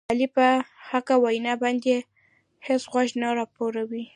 علي په حقه وینا باندې هېڅ غوږ نه رپوي.